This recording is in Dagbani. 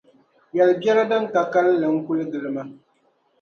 Yɛl’ biɛri din ka kalinli n-kul gili ma.